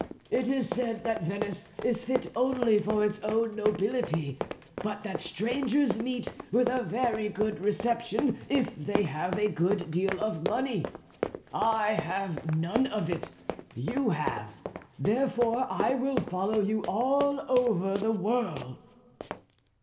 "It is said that Venice is fit only for its own nobility, but that strangers meet with a very good reception if they have a good deal of money. I have none of it; you have, therefore I will follow you all over the world."